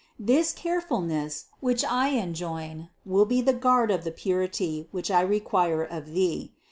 This carefulness, which I enjoin, will be the guard of the purity, which I require of thee.